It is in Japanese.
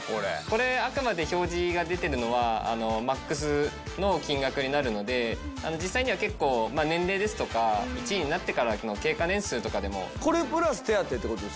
これあくまで表示が出てるのはマックスの金額になるので実際には結構年齢ですとか１尉になってからの経過年数とかでも。